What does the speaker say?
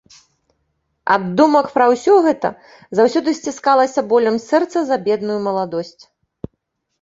Ад думак пра ўсё гэта заўсёды сціскалася болем сэрца за бедную маладосць.